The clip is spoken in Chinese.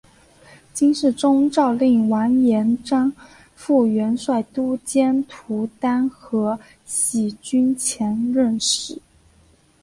金世宗诏令完颜璋赴元帅都监徒单合喜军前任使。